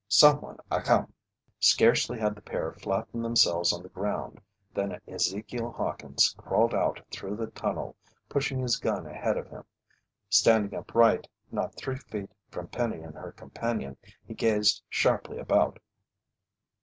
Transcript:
"Someone a come!" Scarcely had the pair flattened themselves on the ground than Ezekiel Hawkins crawled out through the tunnel, pushing his gun ahead of him. Standing upright not three feet from Penny and her companion, he gazed sharply about.